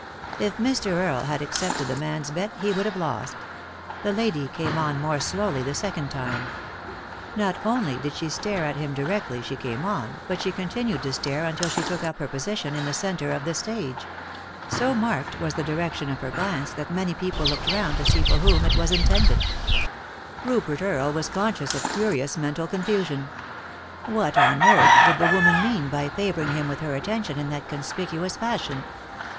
If Mr. Earle had accepted the man's bet he would have lost. The lady came on more slowly the second time. Not only did she stare at him directly she came on, but she continued to stare until she took up her position in the centre of the stage. So marked was the direction of her glance that many people looked round to see for whom it was intended. 331 3i 9 iii^d by Google THE INTERRUPTED KISS Rupert Earle. was conscious of curious mental coo fusion. What on earth did the woman mean by favouring him with her attention in that conspicuous fashion